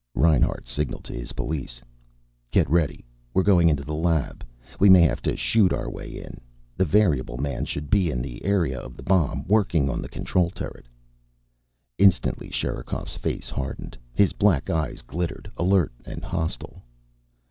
Reinhart signalled to his police. "Get ready. We're going into the lab. We may have to shoot our way in. The variable man should be in the area of the bomb, working on the control turret." Instantly Sherikov's face hardened. His black eyes glittered, alert and hostile.